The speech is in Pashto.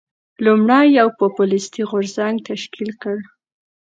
لومړی یو پوپلیستي غورځنګ تشکیل کړ.